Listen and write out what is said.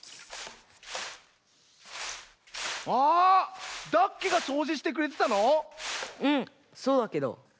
あダッケがそうじしてくれてたの⁉うんそうだけど。